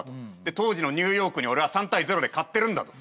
当時のニューヨークに俺は３対０で勝ってるんだと。